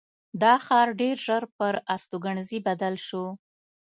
دا ښار ډېر ژر پر استوګنځي بدل شو.